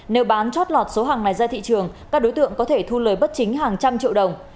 nếu bán chót lọt số hàng này ra thị trường các đối tượng có thể thu lời bất chính hàng trăm triệu đồng